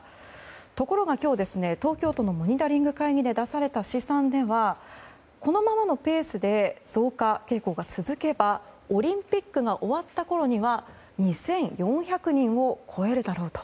ところが今日、東京都のモニタリング会議で出された試算では、このままのペースで増加傾向が続けばオリンピックが終わったころには２４００人を超えるだろうと。